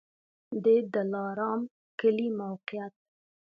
د دلارام کلی موقعیت